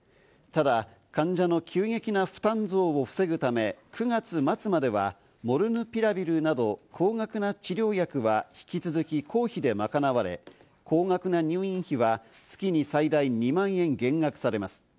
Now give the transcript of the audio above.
ただ患者の急激な負担増を防ぐため、９月末まではモルヌピラビルなど高額な治療薬は、引き続き公費で賄われ、高額な入院費は月に最大２万円、減額されます。